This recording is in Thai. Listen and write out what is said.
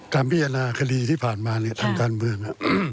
การพิจารณาคดีที่ผ่านมาเนี่ยทางการเมือง